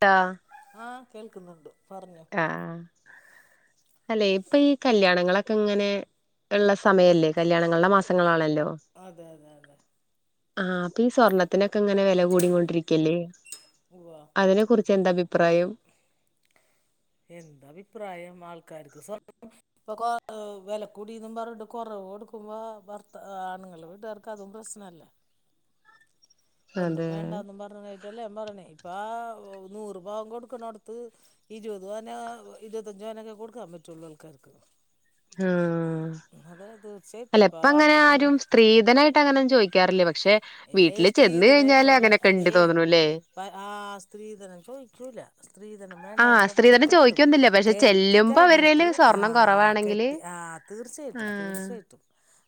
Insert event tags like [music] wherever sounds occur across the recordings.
ട്ടാ ആഹ് കേൾക്കുന്നുണ്ട് പറഞ്ഞോ ആഹ് അല്ലെ ഇപ്പൊ ഈ കല്യാണങ്ങളൊക്കെ ഇങ്ങനെ ഉള്ള സമയല്ലേ കല്യാണങ്ങളുടെ മാസങ്ങളാണല്ലോ അതെ അതെ അതെ ആഹ് അപ്പ ഈ സ്വർണ്ണ ത്തിനൊക്കെ ഇങ്ങനെ വില കൂടിക്കൊണ്ടിരിക്കല്ലേ ഉവ്വാ അതിനെ കുറിച്ച് എന്താ അഭിപ്രായം എന്തഭിപ്രായം ആൾക്കാർക്ക് സ്വർണം ഇപ്പൊ കൊ വെലക്കൂടീന്നും പറഞ്ഞിട്ട് കൊറവ് കൊടുക്കുമ്പോ ഭർത്ത ആണുങ്ങൾ വിടർ ക്കതും പ്രശ്നല്ല ഒന്നും അതെ വേണ്ടാന്നും പറഞ്ഞ് [unintelligible] എല്ലാം പറഞ്ഞേ ഇപ്പ നൂറ് പവൻ കൊടുക്കുന്നോടത്ത് ഇരുപത് പവനോ ഇരുപത്തഞ്ചു പവനൊക്കെ കൊടുക്കാമ്പറ്റുള്ളൂ ആൾക്കാർക്ക് ആഹ് അതെ തീർച്ചയായിട്ടും അല്ല ഇപ്പോ ഇപ്പ അങ്ങനെ അങ്ങ ആരും സ്ത്രീധനായിട്ട് അങ്ങനൊന്നും ചോദിക്കാറില്ല പക്ഷെ ഏ വീട്ടില് ചെന്നു കഴിഞ്ഞാല് അങ്ങനെക്കേണ്ട് തോന്ന്ണൂല്ലേ ഇപ്പ ആ സ്ത്രീധനം ചോയ്ക്കൂല സ്ത്രീധനം ആഹ് വേണ്ടാന്നൊക്കെ പറഞ്ഞു സ്ത്രീധനം കെട്ടും ചോദിക്കൊന്നില്ല പക്ഷെ കെട്ടി ചെല്ലുമ്പോ അവരുടേല് കഴിഞ്ഞിട്ട് ഹാ സ്വർണം കുറവാണെങ്കില് കെട്ടി ആ തീർച്ചയായിട്ടും ആഹ് തീർച്ചയായിട്ടും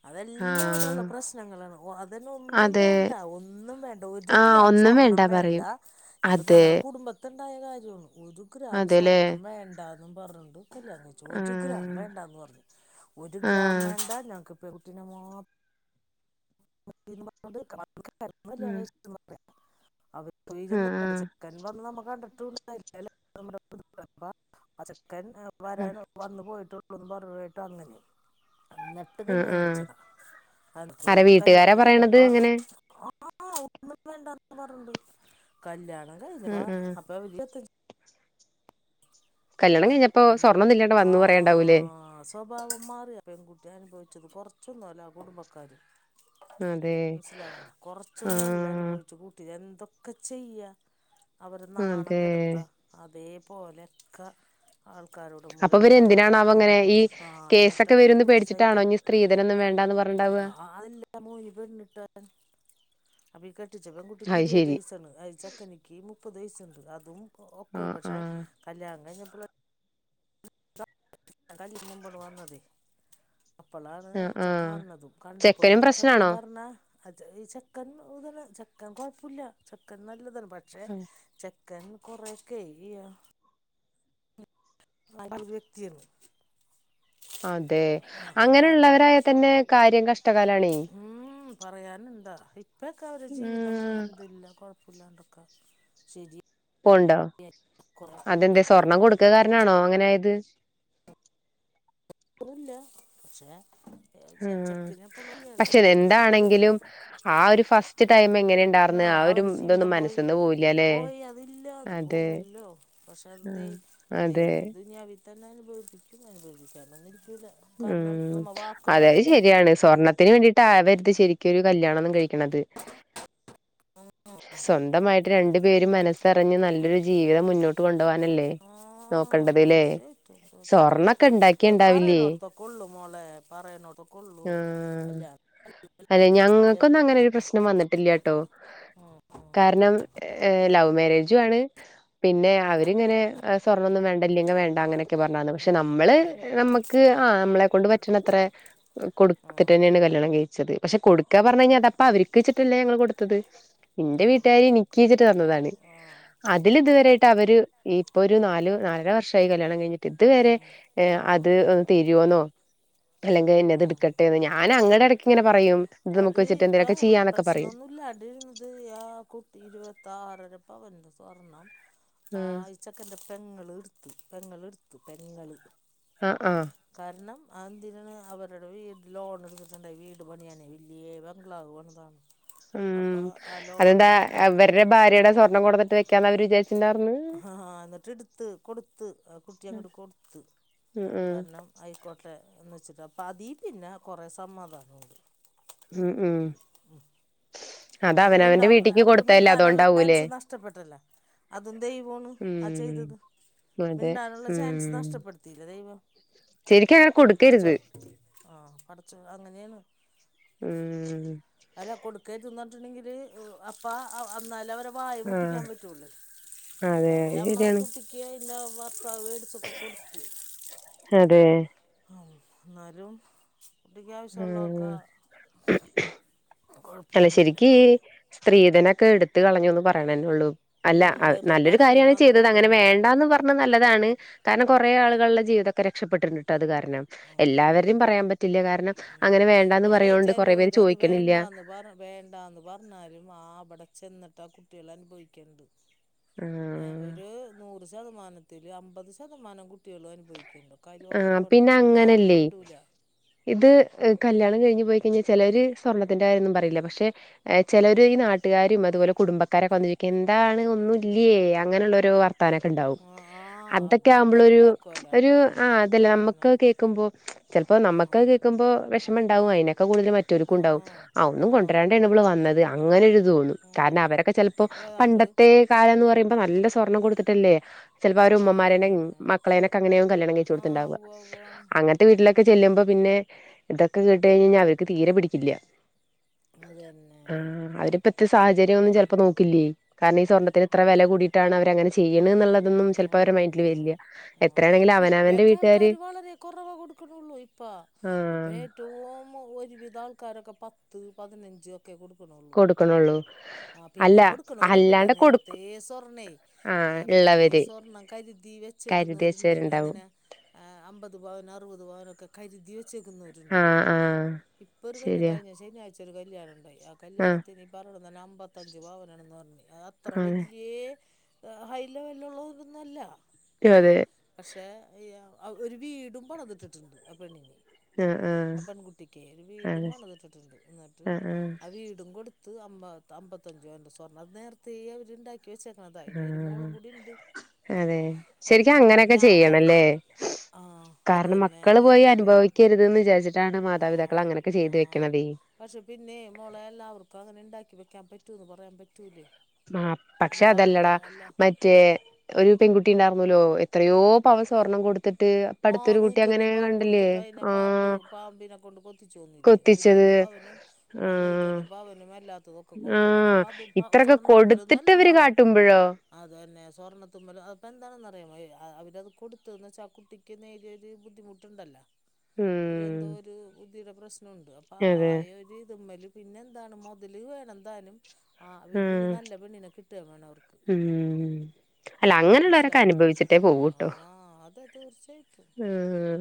അതെല്ലാം ഇവ്ടൊള്ള ആഹ് പ്രശ്നങ്ങളാണ് അതിനൊന്നും അതെ വേണ്ട ഒന്നും വേണ്ട ഒരു ആഹ് ഗ്രാം ഒന്നും സ്വർണം വേണ്ട പറയും ഇപ്പൊ അതെ ഞങ്ങടെ കുടുംബ ത്തുണ്ടായ കാര്യമാണ് ഒരു ഗ്രാം അതെല്ലേ സ്വർണ്ണം വേണ്ടാന്ന് പറഞ്ഞോണ്ട് കല്യാണം കഴി ച്ചു ഒരു ഗ്രാം ആഹ് വേണ്ടാന്ന് പറഞ്ഞു ഒരു ഗ്രാം ആഹ് വേണ്ട ഞങ്ങക്ക് പെങ്കുട്ടീനെ മാത്രം മതീന്ന് പറഞ്ഞോണ്ട് [unintelligible] കല്യാണം ഉം കഴിച്ചു ആഹ് ആഹ് [unintelligible] ചെക്കൻ വന്ന് നമ്മ കണ്ടിട്ടൂല [unintelligible] [unintelligible] ആ ചെക്കൻ ഉം വരാൻ വന്ന് പോയിട്ടു കുടുംബാ [unintelligible] ട്ടോ അങ്ങനെ അന്നട് ട്ട് ആഹ് കല്യാണം ആഹ് വിളിച്ചതാ അന്നട്ട് ആരെ കല്യാണം വീട്ടുകാരാ കഴിഞ്ഞ പ്പ പറയണത് ഇങ്ങനെ ആ ഒന്നും വേണ്ടാ പറഞ്ഞണ്ട് കല്യാണം ആഹ് [unintelligible] ആഹ് അപ്പ [unintelligible] കല്യാണം കേട്ടോ കഴിഞ്ഞപ്പോ ആന്ന് സ്വർണ്ണൊന്നും ഇല്ലാണ്ട് വന്നു പറയണ്ടാവൂലേ ആഹ് സ് സ്വഭാവം മാറിയേ പെൺകുട്ടി അനുഭവിച്ചത് കുറച്ചൊന്നുമല്ല ആ കുടുംബക്കാര് അതെ മനസ്സിലാവണ്‌ണ്ട കൊറച്ചൊന്നുമല്ല ആഹ് അനുഭവിച്ചു കൂട്ടിയത് എന്തൊക് ക്കെ ചെയ്യ അവരെ നാണം അതെ കെടുത്ത അതേപോലെക്കെ ആൾക്കാരോട് അപ്പൊ മുഴുവൻ ഇവര് പറയാ എന്തിനാണാവോ ഇങ്ങനെ ഒന്നും ഈ കൊടുത്ത് ആഹ് എന്നിട്ട് കേസൊക്കെ ആ വരുംന്ന് പെൺകുട്ടി പേടിച്ചിട്ടാണോ സഹിക്കാ ഇനി സ്ത്രീധനൊന്നും വേണ്ടാന്ന് പറഞ്ഞുണ്ടാവാ അ [unintelligible] ഇവൻ [unintelligible] അപ്പ ഈ കെട്ടിച്ച പെൺകുട്ടിക്ക് അത് ഇരുപത് ശരി വയസാണ് അയച്ച തനിക്ക് മുപ്പത് വയസ്സുണ്ട് അതും ഒക്കൂല ആഹ് പക്ഷെ ആഹ് കല്യാണം കഴിഞ്ഞപ്പോളെ ഞാൻ കല്ല്ക്ക് മുമ്പണ് വന്നത് അപ്പോളാണ് ആഹ് ചെ ആഹ് കാണണതും കണ്ടപ്പോളും ചെക്കനും സത്യം പ്രശ്നാണോ പറഞ്ഞാ അത് ഈ ചെക്കൻ ഇതാണ് ചെക്കൻ കൊഴപ്പൂല്ല ചെക്കൻ നല്ലതാണ് പക്ഷെ ചെക് കെൻ കൊറേക്കെ ഈയാ അത് വ്യക്തിയന്ന് അതെ ആഹ് അപ്പൊ അതും അങ്ങനെയുള്ളവരായ തന്നെ കാര്യം കഷ്ടകാലാണേ മ്മ് പറയാന്ണ്ടാ ഇപ്പക്കെ അവരുടെ ജീവിതം അൽഹംദുലില്ലാഹ് കുഴപ്പില്ലാണ്ടൊക്കെ ശരി ഇപ്പ ഉണ്ടോ കുറെ ഉം അതെന്താ സ്വർണം ഇപ്പൊ കൊടുക്ക കാരനാണോ കുഴപ്പൊന്നുമില്ല അങ്ങനെയത് പന്നുല്ല പക്ഷേ ചെ ആഹ് ചെക്കന [unintelligible] പക്ഷെ ചെക്കന് സ്വർണ്ണ എന്താണെങ്കിലും ആ ഒരു ഫസ്റ്റ് സ്റ്റ് ടൈമ് എങ്ങനെ ഇണ്ടാർന്ന് ആ ഒരു അവരെ ഇതൊന്നും ജീവിതം പോയി മനസ്ന്ന് പോവില്ലല്ലേ പോയി അതില്ല അത് അതെ പോവുമല്ലോ പക്ഷെ ദൈ ആഹ് അതെ ദൈവം ഇദുനിയാവിൽ തന്നെ അനുഭവിപ്പിക്കും അനുഭവപ്പിക്കതെ ഒന്നിരിക്കൂല മ് അതെയ് ശരിയാണ് സ്വർണത്തിന് വേണ്ടിട്ട് ട്ടാ [inaudible] ശെരിക്കും ഒരു കല്യാണന്നും കഴിക്കണത് മ് മ്മ് സ്വന്തമായിട്ട് രണ്ടു പേരും മനസ്സറിഞ്ഞ് നല്ലൊരു ജീവിതം മുന്നോട്ട് കൊണ്ടുവാ നല്ലേ ആ നോക്കണ്ടതലെ തീർച്ചയായിട്ടും സ്വർണൊക്കെ ഇണ്ടാക്കിയാൽ ഇണ്ടാവില്ലേ കൊള്ളു മോളെ പറയണോ ആഹാ അല്ലെ ഞങ്ങൾക്കൊന്നും അങ്ങനെ പ്രശ്നം വന്നിട്ടില്ലാട്ടോ ഉം, കാരണം ലൗവ് മേരേജും ആണ് പിന്നെ അവരിങ്ങനെ സ്വർണ്ണൊന്നും വേണ്ട ഇല്ലെങ്കി വേണ്ട അങ്ങനെയൊക്കെ പറഞ്ഞന്ന് പക്ഷെ ഉം, നമ്മള് നമ്മക്ക് ആഹ് നമ്മളെ കൊണ്ട് പറ്റ്ണ അത്ര കൊടു ഉം. കൊടുത്തിട്ട്ന്നെയാണ് കല്യാണം കഴിച്ചത് പക്ഷേ കൊടുക്കാ പറഞ്ഞ കഴിഞ്ഞാ അപ്പ അവര്ക്ക്ച്ച്ട്ടല്ലാ ഞങ്ങള്കൊടുത്തത് ഇന്റെ ആ, വീട്ടുകാര് നമ്മൾക്ക് ഇനിക്കീജിട്ട് ആ തന്നതാണ് ആ അതിൽ ഇതുവരൊയിട്ട് അവര് ഇപ്പൊ ഒരു നാലു നാലര വർഷമായി കല്യാണം കഴിഞ്ഞിട്ട് ആ ഇതുവരെ ഏ അത് ഹ് തരുന്നോ അല്ലെങ്കിൽ എന്നെത് ആ എടുക്കട്ടെന്ന് ഞാൻ അങ്ങടെ ഇടയ്ക്ക് ഇങ്ങനെ പറയും ഇത് അത് നമുക്ക് വെച്ചിട്ട് എന്തേലൊക്കെ ഇപ്പവ ചെയ്യാന്നൊക്കെ പറയും പ്രശ്നൊന്നുല്ല അത് അത് ആഹ കുട്ടി ഇരുപത്തി ആറര പവന്റെ സ്വർണം ആഴ് ചക്കൻ്റെ പെങ്ങൾ എടുത്തു പെങ്ങൾ എടുത്തു പെങ്ങൾ ആഹ ആഹ കാരണം ആന്തിന് അവരുടെ വീട്ട്ല് ലോൺ എടുത്തിട്ടുണ്ട് വീട് പണിയാനെ വലിയെ ബാംഗ്ളവ് പണിത ഉം അതെന്താ ഇതാക്കാം അവര്ടെ ഭാര്യയുടെ സ്വർണ്ണം കൊടുത്തിട്ട് വെക്കാന്ന് അവര് വിജാരിച്ചിണ്ടാർന്ന് ആഹ ഹഹ എന്നിട്ട് ഇടുത്ത് കൊടുത്ത് ആ കുറ്റി അങ്ങോട്ട് കൊടുത്ത് ഉം ഉം കാരണം ആയിക്കോട്ടെ എന്ന് വെച്ചിട്ട് അപ്പ അതി പിന്നെ കുറേ സമാധാനം ഉണ്ട് മ് മ്മ് ഉം അതുവുണ്ടാവും വീട്ടിക്ക് അവർക്ക് കൊടുത്തല്ലേ മിണ്ടാനുള്ള അതുകൊണ്ടാവൂലേ ചാൻസ് നഷ്ടപ്പെട്ടല്ല അതും ദൈവാണ് ആഹ ഉം ചെയ്തത് അതെ മിണ്ടാനുള്ള ചാൻസ് ഉം നഷ്ടപ്പെടുത്തില്ലേ ദൈവം ശരിക്കും അങ്ങനെ കൊടുക്കരുത് ആഹ് പടച്ചോ അങ്ങനെയാണ് മ്മ് അല്ല കൊടുകാതെ തിന്നിട്ടുണ്ടെങ്കില് അപ്പ എന്നാല അവര വാഴ ആഹ് പൂട്ടിക്കാൻ പാറ്റൊള്ളു [unintelligible] അതെ അത് നമ്മളെ ശരിയാണ് കുട്ടിക്ക് അയ്ന്റെ ഭർത്താവ് [inaudible] കൊടുത്തു അതെ എന്നാലും തിക വിസലോക്ക ഉം കുഴപ്പമൊന്നുമില്ല തലശ്ശേരിക്ക് സ്ത്രീധനൊക്കെ എടുത് കളഞ്ഞുൊന്ന് പറയണേള്ളൂ അല്ല ഉം, വെറുതെ നല്ലൊരു പറയില്ല കാര്യമാണ് മാത്രമേ ചെയ്തത് ഉള്ളൂ അങ്ങനെ മോളെ വേണ്ടന്ന് പറഞ്ഞ നല്ലതാണ് കാരണം കുറെേ ആളുകളുടെ ജീവിതമൊക്കെ രക്ഷപ്പെട്ടിട്ടുട്ട് അത് കാരണം. ഉം, എല്ലാവരുടെ ഉം. പറയാൻ പറ്റില്ല കാരണം ഉം അങ്ങനെ വേണ്ടന്ന് പക്ഷേ പറയോണ്ട് കൊറെേ പേര് ചിലോര് അത് ചോദിക്കണില്ല വേണ്ടാന്ന് വേണ്ടാന്ന് പറഞ്ഞാലും അവിടെ ചെന്നിട്ട് ആ കുട്ടികള് അനുഭവിക്കുണ്ട് ഏഹ് ആഹ് ഒരു നൂറ് ശതമാനത്തില് അമ്പത് ശതമാനം കുട്ടികളും അനുഭവിക്കണ്ട് കാര്യം ആഹ് ഉറപ്പാണ് പിന്നെ ആരും അങ്ങനല്ലേ മിണ്ടൂല ഇത് കല്യാണം കഴിഞ്ഞ് പോയി കഴിഞ്ഞാല് ചെലര് സ്വർണ്ണത്തിന്റെ കാര്യമൊന്നും പറയില്ല പക്ഷെ ചെലവര് ഈ നാട്ടുകാരും അതുപോലെ കുടുംബക്കാരൊക്കെ വന്ന് ചോദിക്കും എന്താണ് ഒന്നും ഇല്ലിയേ അങ്ങനെയുള്ളൊരു വ കൂട്ടുകാരൊക്കെ ഒണ്ടാവും ആ ആ അത് അതൊക്കെ ആവുമ്പോള് ഒരു നാട്ടുകാരുണ്ടാക്കുവല്ലോ ഒരു- ആ ആഹ് അതല്ല അത് തന്നെ നമ്മക്ക് കേൾക്കുമ്പോ ചെലപ്പോ ആ നമുക്ക് അത് കേൾക്കുമ്പോ വിഷമയിണ്ടാവും അതിനൊക്കെ കൂടുതൽ മ മറ്റൊരുക്കും ആ ഉണ്ടാവും ഒന്നും ആ കൊണ്ടുവരാണ്ടാണ് ഇവള് വന്നത് അങ്ങനൊരു ഇത് തോന്നും ആ കാരണം അവരൊക്കെ ചെലപ്പോ- ഏതാണ്ട് പണ്ടത്തെ കാലം എന്ന് പറയുമ്പോ നല്ല സ്വർണം കൊടുത്തിട്ടല്ലേ ചെലപ്പോ അവര് ആ ഉമ്മമാര് തന്നെ അതന്നെ മക്കളേനൊക്കെ അങ്ങനെയാവും കല്യാണം കഴിച്ചു ആ കൊടുത്തിണ്ടാവുക- ഉവ്വ ഉവ്വ അങ്ങനത്തെ വീട്ടിലൊക്കെ ചെല്ലുമ്പോൾ പിന്നെ ഇതക്കെ കേട്ട് കഴിഞ്ഞാ അവർക്ക് തീരെ പിടിക്കില്ല അതന്നെ ആഹ് അവരിപ്പോഴത്തെ സാഹചര്യം ഒന്നും അങ്ങ് ചെലപ്പോ നോക്കില്ലേ കാരണം ഈ സ്വർണ്ണത്തിന് ഇത്ര നോക്കില്ല വില കൂടിട്- ട്ടാണ് അവര് അങ്ങനെ ചെയ്യണെന്ന് എന്നുള്ളതൊന്നും ചെപ്പോ അവരടെ മൈഡില് അതന്നെ വരില്ല എത്രയാണെങ്കിലും അവനവൻ- ഇപ്പ ആൾക്കാര് വളരെ കൊറവ് കൊടുക്കണള്ളൂ ഇപ്പ ഇ- ആഹ് ഏറ്റവും ഒരുവിധം ആൾക്കാരൊക്കെ പത്ത് പതിനഞ്ച് ഒക്കെ കൊടുക്കണള്ളൂ കൊടുക്കനുള്ളൂ ആഹ പിന്നെ കൊടുക്കനൊരു ഒണ്ട് ട്ടോ നേരത്തെ സ്വർണ്ണേ ആഹ് നേരത്തേ ഇള്ളവര് സ്വർണം കരുതി വെ കരുതി കരുതി വച്ചേക്കുന്നവര് വെച്ചവരുണ്ടാവും ഒണ്ട് അൻപത് പവൻ അറുപത്പവൻ ഒക്കെ കരുതി വചെ - വച്ചേക്കുന്നവരുണ്ട് ആഹ് ആഹ് ഇപ്പൊ ഒരു കല്ലിയാണം ശരിയാ കഴിഞ്ഞ ശനിയാഴ്ച ഒരു കല്യാണം ഒണ്ടായി ആഹ് കല്യാണത്തിന് പറയണത് അമ്പത്തഞ്ച് പവനാണെന്ന് പറഞ്ഞ് അത്ര വല്യയ- ഏഹ് ഹൈ ലെവലിലൊള്ളത് ഒന്നും അല്ല അതെ അതെ പക്ഷെ ഒരു വീടും പണതിട്ടിട്ടുണ്ട് ആ പെണ്ണിന് ആഹ് ആഹ് - ആ പെൺകുട്ടിക്ക്ക്കെ ഒരു വീടും അതെ പണതിട്ടിട്ടുണ്ട് എന്നിട്ട് ആഹ് ആ ആഹ് വീട്- വീടും കൊടുത്ത് അമ്പ അമ്പത്തഞ്ച സ്വർണ്ണം നേരത്തെ അവര്ണ്ടാക്കി ക്കി വെച്ചേക്കണതാ ഇനി ഒരു മോളും ആഹ് കൂടിയിണ്ട് അതെ അപ്പൊ ശരിക്കും അപ്പൊ അങ്ങനെയൊക്കെ ഞാന് ചെയ്യണല്ലേ - ആഹ് അത് തന്നെ നേരത്തെ ക്കരുതെന്ന് വിചരിച്ചിട്ടാണ് മാതാപിതാക്കള് ആഹ് അങ്ങനൊക്കെ ചെയ്ത് ആഹ് വെക്കണതെ പക്ഷെ പിന്നെ മോളല്ലേ എല്ലാവർക്കും അങ്ങനെ ഇണ്ടാക്കി വെക്കാൻ പറ്റൂന്ന് പറയാൻ പറ്റൂലേ ആഹ പക്ഷെ എല്ലാവരുടെ അതെല്ലടാ എല്ലാ മ മറ്റേ ഒരു പെൺകുട്ടി ഇണ്ടായിർന്നല്ലോ എത്രയോ പവൻ സ്വർണ്ണം കൊടുത്ത ആ നൂറ്റൊന്ന് പവൻ കൊടുത്തിട്ട് അയിനെ ആ പാമ്പ് പാമ്പിനെ കൊണ്ട് കൊത്തി ത്തിച്ച് കൊന്നില്ലേ കൊത്തിച്ചത് നൂറ്റൊന്ന് പവനും ആ നൂറ്റൊന്ന് പവനും അല്ലാത്തതൊ - ക്ക ആ കൊടുത്തതാണ് അപ്പൊ അതും ഇത്രൊക്കെ സ്വർണ്ണത്തുമലേന്നും കൊടുത്തിട്ട് അല്ലേ ഇവര് മോളെ കാട്ടുമ്പോഴോ അത് തന്നെ സ്വർണ്ണത്തുമ്പലും അപ്പൊ എന്താണെന്ന് അറിയാ അവര്ത് കൊടുത്തന്ന് വെച്ചാ ആ കുട്ടി നേരിയൊരു ബുദ്ധിമുട്ടുണ്ടല്ലോ ഉം എന്തൊ ഒരു ബുദ്ധിയുടെ പ്രശ്നമുണ്ട് അതെ ആയ ഒരു ഇതമ്മല് പിന്നെ എന്താണ് മൊതല് വേണം താനും - ആഹ ആ പിന്നെ ഇനി നല്ല പെണ്ണിനെ കിട്ടുവേം വേണം അവർക്ക് ഉം അല്ല അങ്ങനെയുള്ളവരൊക്കെ മനസ്സിലാവണ്ടോ അനുഭവിച്ചിട്ടേ ആ പോകൂട്ടോ അതെ തീർച്ചയായിട്ടും ആ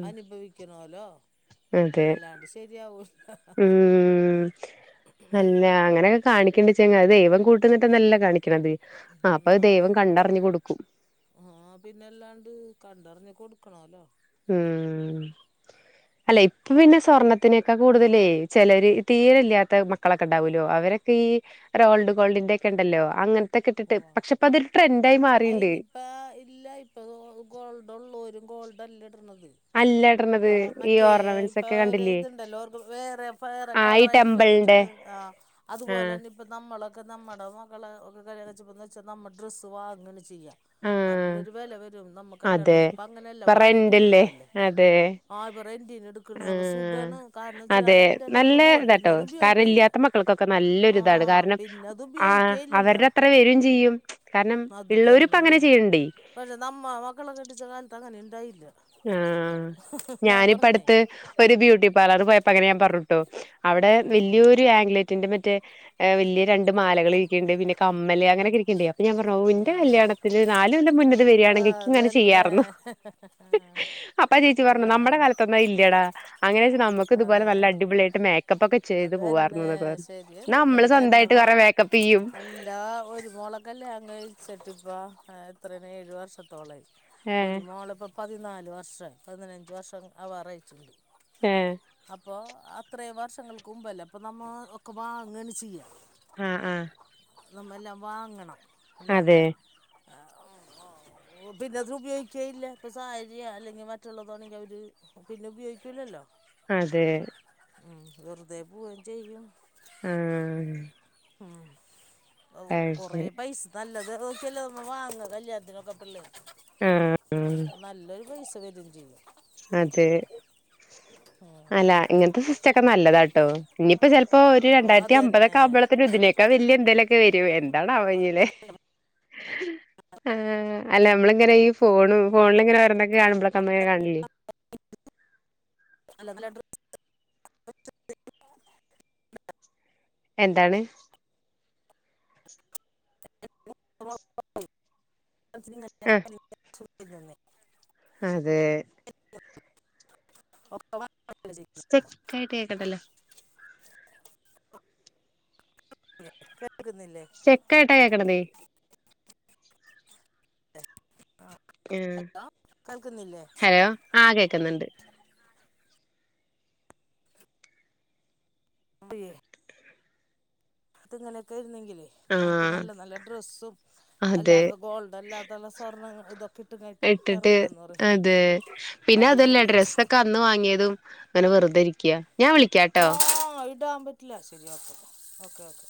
അനുഭവിക്കണല്ലോ അതെ ഉം അല്ല അങ്ങനെ കാണിക്കേണ്ട വെച്ചാ ദൈവം കൂട്ട് നിന്നിട്ടല്ല കാണിക്കണത് അത് അ അപ്പൊ ദൈവം കണ്ടറിഞ്ഞു കൊടുക്കും ആഹ പിന്നെല്ലാണ്ട് കണ്ടറിഞ് കൊടുക്കണൊല്ലോ ഉം അല്ല ഇപ്പൊ പിന്നെ സ്വർണ്ണത്തിനൊക്കെ കൂടുതലേ ചെലർ തീരല്ലാത്ത മക്കളൊക്കെ ഉണ്ടാവൂലോ അവരൊക്കെ ഈ റോഡ്‌ ഗോൾഡിന്റ ഒക്കെ ഒണ്ടല്ലോ അങ്ങനത്തെക്കെ ഇട്ടിട്ട് പക്ഷെ യിപ്പോ അതൊരു ട്രൻഡ് ആയി മാറിയിണ്ട് ഇപ്പ ഇല്ല ഇപ്പൊ ഗോൾഡ് ഒള്ളോര് ഗോൾഡല്ല ഇട്ണത് അല്ല ഇടണത് ഇപ്പൊ ഈ മറ്റേ ഓർണമെന്റ്സ് ഇപ്പൊ ഒക്കെ ഒരു കണ്ടില്ലേ ഇത്ണ്ടല്ലോ വേറെ വേറെ ആ ഈ കളർ ആയിട്ടുള്ള ടെമ്പിളിന്റെ എന്തൂട്ടാണ്. ആഹ് ആ അതുപോലെന്നിപ് ഇപ്പൊ നമ്മളൊക്കെ നമ്മടെ മക്കളെ ഒന്ന് കല്ല്യാണഴിച്ചുന്ന് വെച്ചാൽ നമ്മള് ഡ്രസ്സ് വാങ്ങണ് ചെയ്യാ ആ നല്ലൊരു വെല വരും നമ്മക്ക്ല്ലാണ്ട് അതെ ഇപ്പ അങ്ങനെയല്ല ഇപ്പ വാടകക്ക് റെന്റില്ലേ എടുക്കല്ലേ അതെ ആഹ് ഇപ്പ റെന്റിന് ഇട് ക്ക്ണത് ആഹ് സുഖാണ് കാരണം ച്ചില്ലറ് അതെ നല്ല റെൻ്റെല്ലാനമുക്ക് പോവുള്ളൂ പിന്നെ ഇതാട്ടോ അത് കാരണം ഉപയോഗിക്കേല്ല ഇല്ലാത്ത മക്കൾക്കൊക്കെ നല്ലൊരിതാണ് ആഹ് പിന്നെ അത് ഉപയോഗിക്കേയില്ലല്ലോ പ്പവരും ചെയ്യും കാരണം അത് ഇള്ളോര് ഇപ്പ തന്നെ അങ്ങനെ ചെയ്യണ്ണ്ടേയ് പക്ഷെ നമ്മ മക്കള കെട്ടിച്ച കാലത്ത് അങ്ങനെ ഇണ്ടായില്ല ആഹ് ഞാൻ ഞാനിപ്പ പറയണേ അടുത്ത് ഒരു ബ്യൂട്ടി പാർലറി പോയപ്പോ അങ്ങനെ ഞാൻ പറഞ്ഞുട്ടോ അവിടെ ഉം വല്ല്യരു ആംഗ്ലെറ്റിന്റെ മറ്റേ വല്ല്യയ രണ്ട് മാലകൾ ഇരിക്കിണ്ട് പിന്നെ കമ്മല് ഉം അങ്ങനൊക്കെ ഉം ഇരിക്കണ്ടേ അപ്പ ഞാൻ പറഞ്ഞൂ അഹു ന്റെ ഉം കല്യാണത്തില് നാല് കൊല്ലം മുന്നത് ഉം വര്ആണെങ്കി ഇക്ക്ങ്ങന അതന്നെ ചെയ്യാര്ന്നു. [inaudible] അപ്പാ ചേച്ചി പറഞ്ഞു നമ്മുടെ ആഹ് കാലത്തൊന്നു അയില്ലടാ അങ്ങനെ യാച്ചാ നമുക്ക് ഇതുപോലെ അതെ നല്ല അടിപൊളിയായിട്ട് മേക് മേക്കപ്പ് ഒക്കെ ചെയ്ത് പോവാരുന്നു. അതന്നെ ന്നൊക്കെ പറഞ്ഞു. ശരിയത് അന്നാ നമ്മള് സ്വന്തമായിട്ട് കൊറേ മേക്കപ്പ് ചെയ്യും. ആഹാ ഒരുമോളെ ക്കല്യാണം ക്കഴിച്ചിട്ടിപ്പാ ആ എത്രേണ് ഏഴു വർഷത്തോളായി ഒരു ഏഹ് മോളിപ്പോ പതിനാല് വർഷം പതിനഞ്ച് വർഷം ആവാറായിട്ടുണ്ട്. ഏഹേ അപ്പൊ അത്രേം വർഷങ്ങൾക്ക് മുമ്പല്ലേ അപ്പൊ നമ്മ ഒക്കെ വാങ്ങേണ് ചെയ്യാ ആഹ് ആഹ് നമ്മെല്ലാം വാങ്ങണം അല്ലാതെ അതെ ആഹാ ഹും ഓ ഓ പിന്നത് ഉപയോഗിക്കേല്ല. ഇപ്പ സാരിയാ അല്ലെങ്കി മറ്റുള്ളതാണെങ്കി അവര് പിന്ന ഉപയോഗിക്കൂലല്ലോ അതെ, [inaudible] ആഹ് വെറ്തെ പോവേം ചെയ്യും ആഹ് [inaudible] ഉും ഓഹ് അത് കൊറെ ശരി പൈസ നല്ലത് നോക്കിയല്ലേ നമ്മ വാങ്ങ കല്യാണത്തിനൊക്കെ പിള്ളേ ആഹ് [inaudible] നല്ലോരു പൈസ വരും ചെയ്യും. അതെ [unintelligible] അല്ല, ഇങ്ങനത്തെ സിസ്റ്റൊക്കെ നല്ലതാട്ടോ ഇനിയിപ്പോ ചെൽപ്പോ ഒരു ഓ രണ്ടായിരത്തി അത് തന്നെ അമ്പതൊക്കെ ആവുമ്പഴത്തിന് ഇതിനെ ഇതിനേക്കാ വല്യ എന്തേലൊക്കെ വരും എന്താണാവോ ഇനി അല്ലെ ഹെ അല്ല നമ്മള ഇങ്ങനെ ഈ ഫോണും ഫോണിലിങ്ങനെ വരണേക്ക കാണുമ്പളൊക്ക അമ്മങ്ങനെ കാണില്ലേ [unintelligible] എന്താണ് ആഹ് [unintelligible] അതെ [unintelligible] [unintelligible] [unintelligible] കേൾക്കുന്നില്ലേ? സ്റ്റക്കായിട്ട കേക്ക്ണത് ആഹ് കേൾക്കുന്നില്ലേ ഹലോ ആഹ് കേക്കുന്നുണ്ട്. [unintelligible] അത്ങ്ങനെയൊക്കെ ഇരുന്നെങ്കിലേ ഞങ്ങക്ക് ആഹ് നല്ല നല്ല ഡ്രസ്സും അതെ അല്ലാതെ ഗോൾഡല്ലാതള്ള സ്വർണങ്ങ ഇതൊക്കെ ഇട്ട് കഴ ഇട്ടിട്ട് അത് പിന്നെ അതല്ലേ അടിപൊളിയായിട്ട് ഡ്രസ്സക്ക അന്ന് വാങ്ങിയതും അങ്ങനെ വെറുതെ ഇരിക്യ. ആ ഇടാൻ പറ്റില്ല ശരിയാ ഓക്കേ, ഓക്കേ.